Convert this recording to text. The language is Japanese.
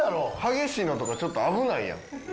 激しいのとかちょっと危ないやん。